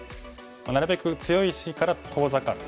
なるべく強い石から遠ざかる。